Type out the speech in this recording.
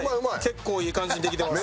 結構いい感じにできてます。